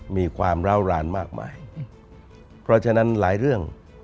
มีความร้าวรานมากมายเพราะฉะนั้นหลายเรื่อง